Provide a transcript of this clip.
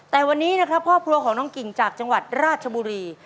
แต่วันนี้นะครับครอบครัวของน้องกิ่งจากจังหวัดราชบุรี